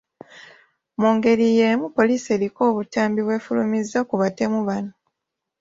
Mungeri yeemu, poliisi eriko obutambi bw’efulumizza ku batemu bano.